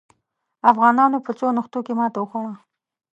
افغانانو په څو نښتو کې ماته وخوړه.